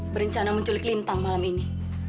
berencana menculik lintang malam ini